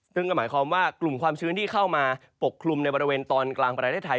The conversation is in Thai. ซึ่งก็หมายความว่ากลุ่มความชื้นที่เข้ามาปกคลุมในบริเวณตอนกลางประเทศไทย